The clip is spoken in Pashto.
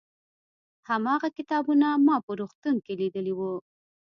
هماغه کتابونه ما په روغتون کې لیدلي وو.